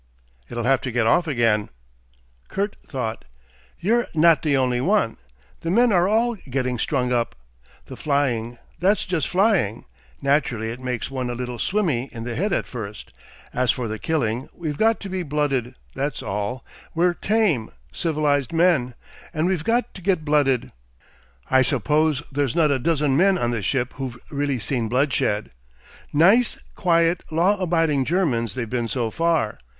"It'll have to get off again...." Kurt thought. "You're not the only one. The men are all getting strung up. The flying that's just flying. Naturally it makes one a little swimmy in the head at first. As for the killing, we've got to be blooded; that's all. We're tame, civilised men. And we've got to get blooded. I suppose there's not a dozen men on the ship who've really seen bloodshed. Nice, quiet, law abiding Germans they've been so far....